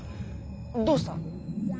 どうした？